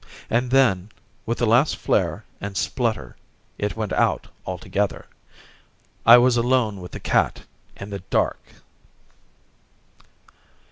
And then, with a last flare and splutter it went out altogether. I was alone with the cat in the dark!